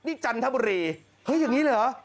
นี่จันทบุรีหยังงี้เหรอ